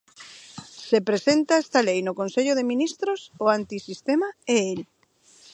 Se presenta esta lei no Consello de Ministros, o antisistema é el.